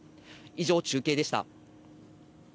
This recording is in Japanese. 以上、中継でした。